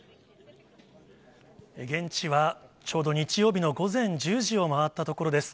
現地は、ちょうど日曜日の午前１０時を回ったところです。